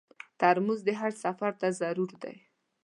ترموز د حج سفر ته ضرور دی.